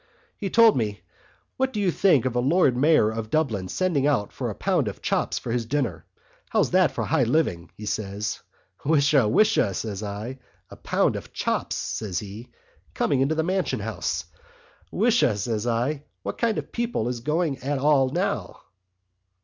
"He told me: 'What do you think of a Lord Mayor of Dublin sending out for a pound of chops for his dinner? How's that for high living?' says he. 'Wisha! wisha,' says I. 'A pound of chops,' says he, 'coming into the Mansion House.' 'Wisha!' says I, 'what kind of people is going at all now?